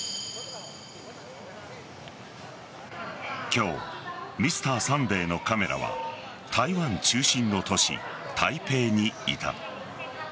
今日「Ｍｒ．サンデー」のカメラは台湾中心の都市・台北にいた。